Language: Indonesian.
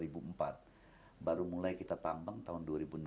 baru mulai kita tambang tahun dua ribu enam belas